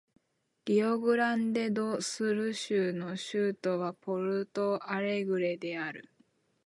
リオグランデ・ド・スル州の州都はポルト・アレグレである